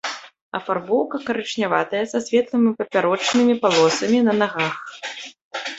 Афарбоўка карычняватая са светлымі папярочнымі палосамі на нагах.